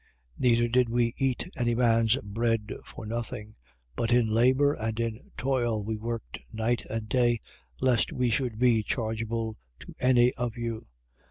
3:8. Neither did we eat any man's bread for nothing: but in labour and in toil we worked night and day, lest we should be chargeable to any of you.